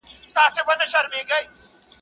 د تندې کرښو راوستلی یم د تور تر کلي.